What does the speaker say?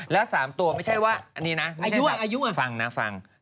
แล้ว๓ตัวไม่ใช่ว่าอันนี้นะอายุฟังนะฟัง